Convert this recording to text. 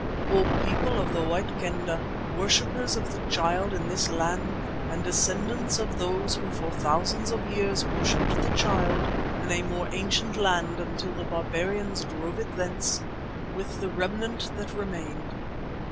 'O people of the White Kendah, worshippers of the Child in this land and descendants of those who for thousands of years worshipped the Child in a more ancient land until the barbarians drove it thence with the remnant that remained.